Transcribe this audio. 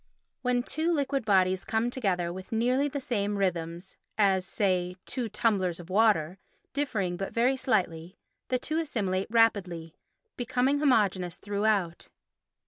When two liquid bodies come together with nearly the same rhythms, as, say, two tumblers of water, differing but very slightly, the two assimilate rapidly—becoming homogeneous throughout.